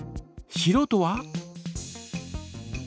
しろうとは？